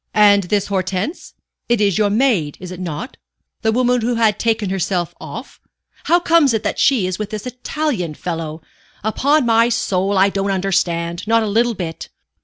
"And this Hortense? It is your maid, is it not the woman who had taken herself off? How comes it that she is with that Italian fellow? Upon my soul, I don't understand not a little bit."